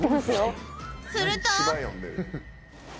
［すると］